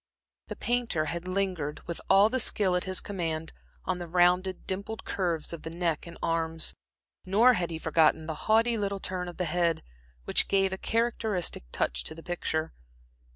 The painter had lingered, with all the skill at his command, on the rounded, dimpled curves of the neck and arms, nor had he forgotten the haughty little turn of the head, which gave a characteristic touch to the picture.